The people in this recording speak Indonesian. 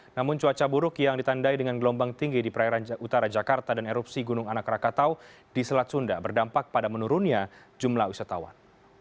namun cuaca buruk yang ditandai dengan gelombang tinggi di perairan utara jakarta dan erupsi gunung anak rakatau di selat sunda berdampak pada menurunnya jumlah wisatawan